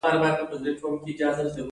هغه ماته یو ډول ډاډ راکړ.